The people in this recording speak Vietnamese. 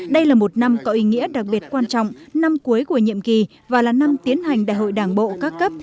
đây là một năm có ý nghĩa đặc biệt quan trọng năm cuối của nhiệm kỳ và là năm tiến hành đại hội đảng bộ các cấp